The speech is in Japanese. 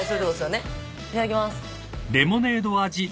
いただきます。